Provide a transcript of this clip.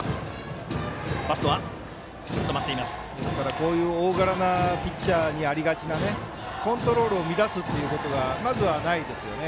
こういう大柄なピッチャーにありがちなコントロールを乱すということがまずはないですよね。